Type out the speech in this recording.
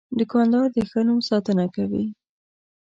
دوکاندار د ښه نوم ساتنه کوي.